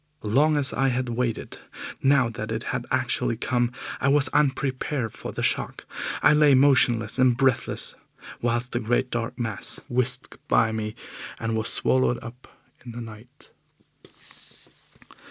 Long as I had waited, now that it had actually come I was unprepared for the shock. I lay motionless and breathless, whilst the great dark mass whisked by me and was swallowed up in the night.